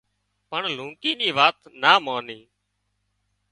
پڻ لونڪي نِي وات نا ماني